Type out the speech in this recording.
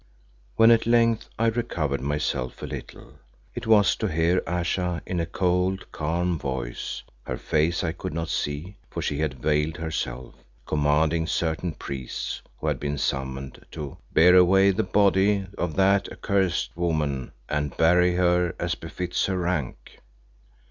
When at length I recovered myself a little, it was to hear Ayesha in a cold, calm voice her face I could not see for she had veiled herself commanding certain priests who had been summoned to "bear away the body of that accursed woman and bury her as befits her rank."